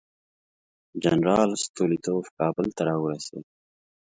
جنرال ستولیتوف کابل ته راورسېد.